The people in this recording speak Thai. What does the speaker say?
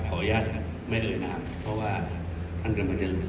ขออยาดครับไม่เลยน้ำเพราะว่าท่านกำเดิรมท์